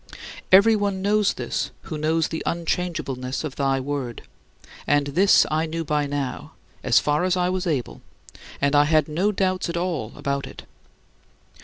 Everyone knows this who knows the unchangeableness of thy Word, and this I knew by now, as far as I was able, and I had no doubts at all about it.